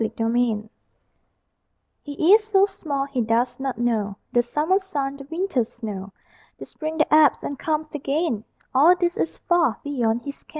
SIX WEEKS OLD He is so small, he does not know The summer sun, the winter snow; The spring that ebbs and comes again, All this is far beyond his ken.